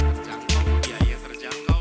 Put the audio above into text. terjangkau biaya terjangkau